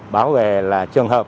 báo về là trường hợp